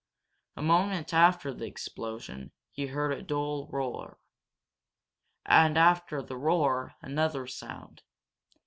A moment after the explosion, he heard a dull roar. And after the roar another sound.